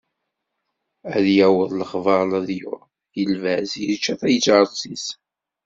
Ad yaweḍ lexbar leḍyur lbaz yečča taǧaret-is.